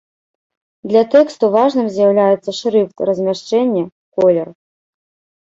Для тэксту важным з'яўляецца шрыфт, размяшчэнне, колер.